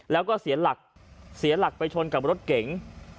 แล้วก็เสียหลักไปชนกับรถเก่ง